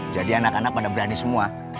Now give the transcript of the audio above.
anak anak pada berani semua